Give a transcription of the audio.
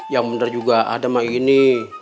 yang benar juga ada mah ini